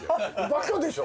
バカでしょ？